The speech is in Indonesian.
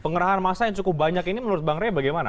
pengerahan massa yang cukup banyak ini menurut bang rey bagaimana